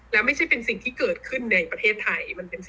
และไม่ใช่เป็นสิ่งที่เกิดขึ้นในประเทศไทย